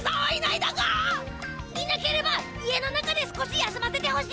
いなければ家の中で少し休ませてほしいだ！